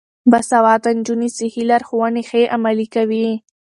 باسواده نجونې صحي لارښوونې ښې عملي کوي.